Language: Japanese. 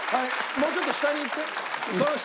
もうちょっと下に行って。